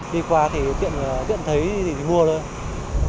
đi qua thì tiện thấy thì mua thôi